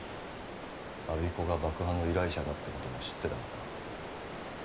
我孫子が爆破の依頼者だってことも知ってたのか？